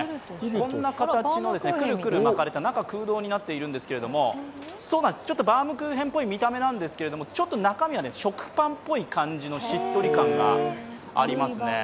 こんな形で、くるくる巻かれて中が空洞になっているんですけど、バウムクーヘンっぽい見た目なんですけどちょっと中身は食パンっぽい感じのしっとり感がありますね。